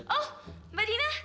oh mbak dina